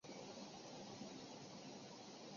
番歆之弟番苗打算复仇。